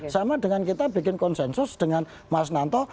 sama dengan kita bikin konsensus dengan mas nanto